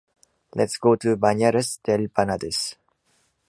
Let's go to Banyeres del Penedès.